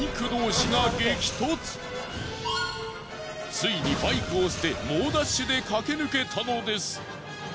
ついにバイクを捨て猛ダッシュで駆け抜けたのです。